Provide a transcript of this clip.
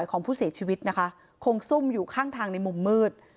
ของผู้เสียชีวิตนะคะคงซุ่มอยู่ข้างทางในมุมมืด